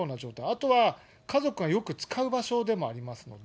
あとは、家族がよく使う場所でもありますので。